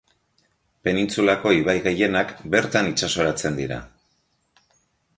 Penintsulako ibai gehienak bertan itsasoratzen dira.